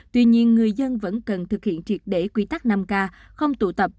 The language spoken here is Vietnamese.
tuy nhiên người dân vẫn cần thực hiện triệt để quy tắc năm k không tụ tập